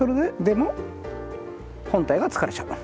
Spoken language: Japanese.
でも本体が疲れちゃう。